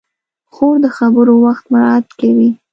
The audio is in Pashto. خور د خبرو وخت مراعت کوي.